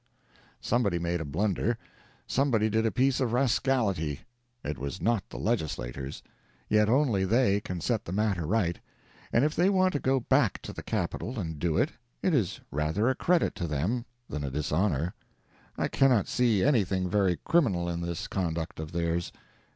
Somebody made a blunder; somebody did a piece of rascality. It was not the legislators, yet only they can set the matter right—and if they want to go back to the capital and do it, it is rather a credit to them than a dishonor. I cannot see anything very criminal in this conduct of theirs.